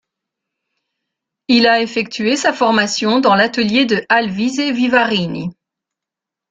Il a effectué sa formation dans l'atelier de Alvise Vivarini.